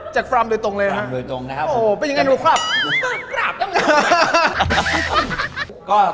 จากฟรามโดยตรงเลยนะฮะฟรามโดยตรงนะครับโอ้เป็นอย่างงี้หนูคราบ